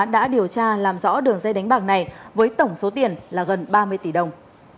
đã điều tra làm rõ đường dây đánh bạc này với tổng số tiền là gần ba mươi tỷ đồng